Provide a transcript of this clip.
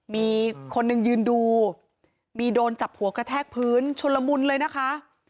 มีคนหนึ่งยืนดูมีโดนจับหัวกระแทกพื้นชนละมุนเลยนะคะ